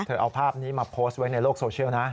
เอาภาพนี้มาโพสต์ไว้ในโลกโซเชียลนะ